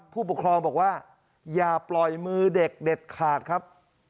ผู้ปกครองบอกว่าอย่าปล่อยมือเด็กเด็ดขาดครับ